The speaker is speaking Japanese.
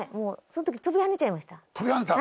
その時飛び跳ねちゃいました。